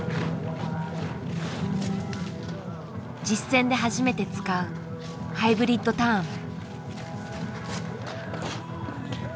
実戦で初めて使う「ハイブリッドターン」。